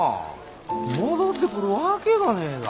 戻ってくるわけがねえが。